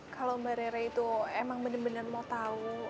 kalau mbak rera itu emang bener bener mau tahu